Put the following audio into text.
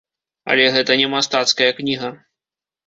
Але гэта не мастацкая кніга.